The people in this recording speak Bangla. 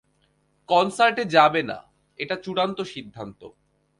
কনসার্টে যাবে না, এটা চূড়ান্ত সিদ্ধান্ত।